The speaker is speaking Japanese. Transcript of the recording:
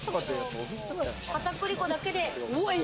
片栗粉だけで。